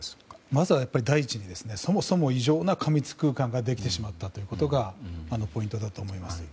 まずは第一にそもそも異常な過密空間ができてしまったということがポイントだと思います。